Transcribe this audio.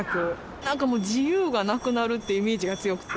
なんかもう自由がなくなるっていうイメージが強くて。